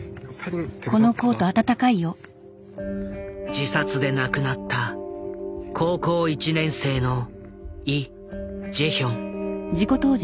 自殺で亡くなった高校１年生のイ・ジェヒョン。